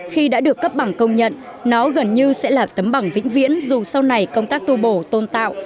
khi đã được cấp bằng công nhận nó gần như sẽ là tấm bằng vĩnh viễn dù sau này công tác tu bổ tôn tạo